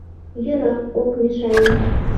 — Йӧра, ок мешае.